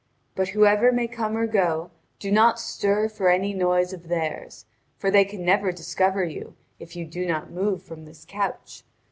But whoever may come or go, do not stir for any noise of theirs, for they can never discover you if you do not move from this couch.